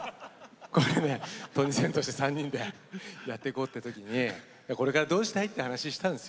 トニセンとして３人でやっていこうと話した時にこれからどうしたいって話をしたんです。